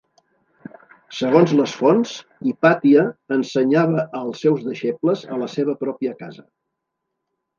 Segons les fonts, Hipàtia ensenyava als seus deixebles a la seva pròpia casa.